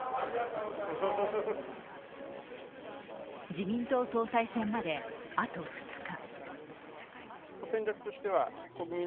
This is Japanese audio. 自民党総裁選まであと２日。